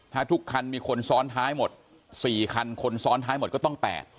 ถ้าทุกคันมีคนซ้อนท้ายหมด๔คันคนซ้อนท้ายหมดก็ต้อง๘